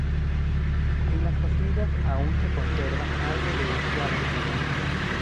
En Las Casillas aún se conserva algo de uso agrícola.